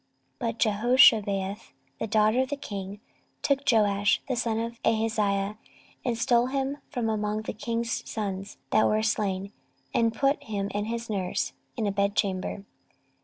14:022:011 But Jehoshabeath, the daughter of the king, took Joash the son of Ahaziah, and stole him from among the king's sons that were slain, and put him and his nurse in a bedchamber.